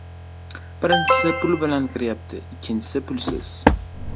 Birinchisi pul bilan kiryapti, ikkinchisi pulsiz.